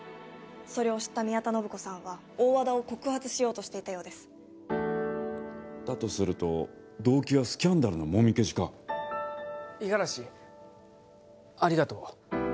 それを知った宮田信子さんは大和田を告発しようとしていたようですだとすると動機はスキャンダルのもみ消しか五十嵐ありがとう